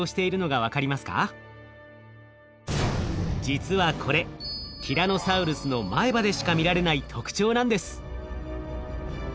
実はこれティラノサウルスの前歯でしか見られない特徴なんです。